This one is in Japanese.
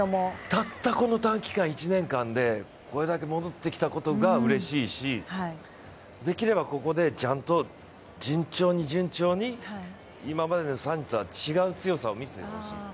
たったこの短期間、１年間でこれだけ戻ってきたことがうれしいしできればここで、ちゃんと順調に順調に今までのサニとは違う強さを見せてほしい。